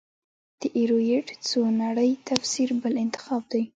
د ایورېټ څو نړۍ تفسیر بل انتخاب دی.